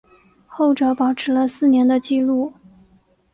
后者保持了四年的纪录。